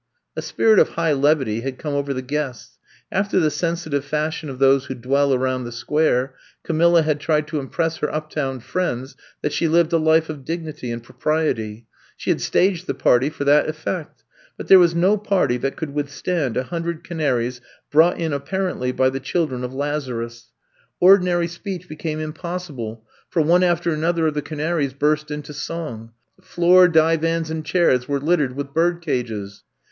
A spirit of high levity had come over the guests. After the sensitive fashion of those who dwell around the Square, Camilla had tried to impress her uptown friends that she lived a life of dignity and propri ety. She had staged the party for that effect. But there was no party that could withstand a hundred canaries brought in apparently by the children of Lazarus. I'VE COMB TO STAY 135 Ordinary speech became impossible, for one after another of the canaries burst into song. Floor, divans and chairs were littered with bird cages.